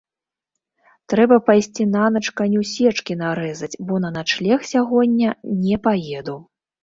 Трэба пайсці нанач каню сечкі нарэзаць, бо на начлег сягоння не паеду.